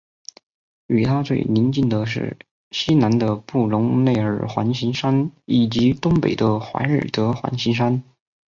与它最邻近的是西南的布隆内尔环形山以及东北的怀尔德环形山。